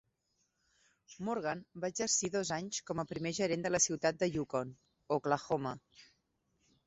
Morgan va exercir dos anys com a primer gerent de la ciutat de Yukon, Oklahoma.